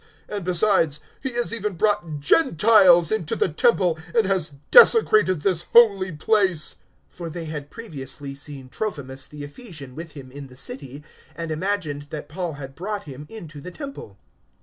And besides, he has even brought Gentiles into the Temple and has desecrated this holy place." 021:029 (For they had previously seen Trophimus the Ephesian with him in the city, and imagined that Paul had brought him into the Temple.)